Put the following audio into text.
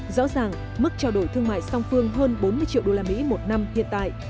rõ ràng mức trao đổi thương mại song phương hơn bốn mươi triệu usd một năm hiện tại